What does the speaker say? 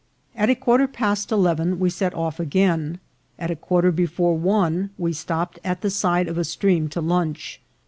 At a quarter past eleven we set off again ; at a quarter before one we stopped at the side of a stream to lunch.